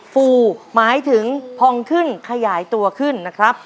ฟูหมายถึงพองขึ้นขยายตัวขึ้นนะครับ